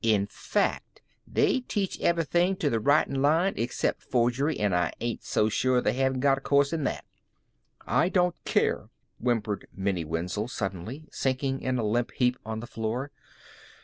In fact, they teach everything in the writin' line except forgery, an' I ain't so sure they haven't got a coorse in that." "I don't care," whimpered Minnie Wenzel suddenly, sinking in a limp heap on the floor.